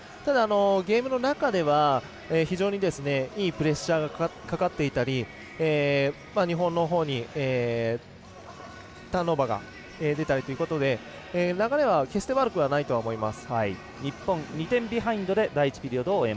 ゲームの中では非常にいいプレッシャーがかかっていたり日本のほうにターンオーバーが出たりということで流れは決して悪くはないと思います。